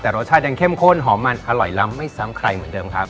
แต่รสชาติยังเข้มข้นหอมมันอร่อยล้ำไม่ซ้ำใครเหมือนเดิมครับ